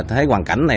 thấy hoàn cảnh này